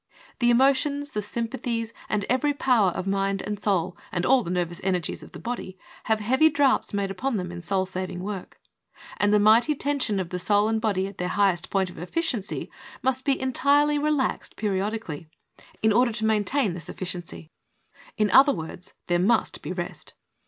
The emotions, the sympathies, and every power of mind and soul, and all the nerv ous energies of the body have heavy drafts made upon them in soul saving work, and the mighty tension of the soul and body at their highest point of efficiency, must be entirely relaxed periodically in order to 76 THE soul winner's SECRET. maintain this effici<||,cy. In other words, there must be rest.